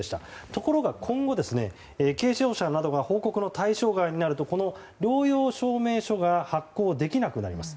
ところが今後、軽症者などが報告の対象外になるとこの療養証明書が発行できなくなります。